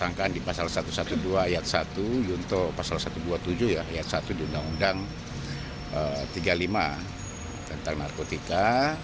disangkakan di pasal satu ratus dua belas ayat satu yunto pasal satu ratus dua puluh tujuh ya ayat satu di undang undang tiga puluh lima tentang narkotika